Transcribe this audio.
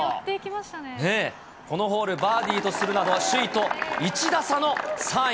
このホール、バーディーとするなど、首位と１打差の３位。